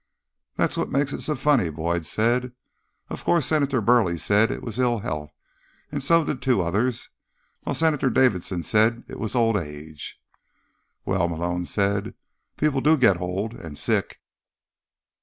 "That's what makes it so funny," Boyd said. "Of course, Senator Burley said it was ill health, and so did two others, while Senator Davidson said it was old age." "Well," Malone said, "people do get old. And sick."